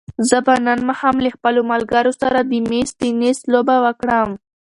زه به نن ماښام له خپلو ملګرو سره د مېز تېنس لوبه وکړم.